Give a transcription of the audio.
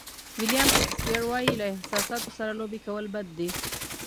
ویلیام شکسپیر وایي له احساساتو سره لوبې کول بد دي.